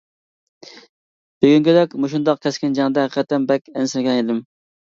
بۈگۈنكىدەك مۇشۇنداق كەسكىن جەڭدە، ھەقىقەتەن بەك ئەنسىرىگەنىدىم.